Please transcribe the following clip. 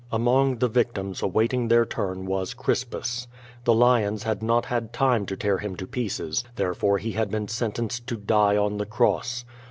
Among the victims awaiting their turn was Crispus. The lions had not had time to tear him to pieces. Therefore he had been sentenced to die on the cross.